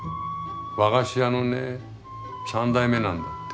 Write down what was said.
和菓子屋のね３代目なんだって。